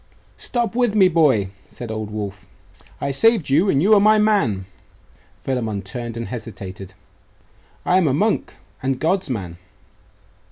'Stop with me, boy!' said old Wulf. 'I saved you; and you are my man.' Philammon turned and hesitated. 'I am a monk, and God's man.